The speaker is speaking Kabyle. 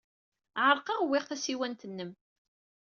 Ɛerqeɣ, uwyeɣ tasiwant-nnem.